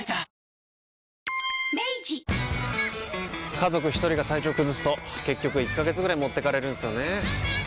家族一人が体調崩すと結局１ヶ月ぐらい持ってかれるんすよねー。